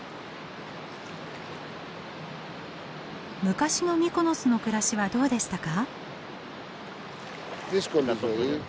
昔のミコノスの暮らしはどうでしたか？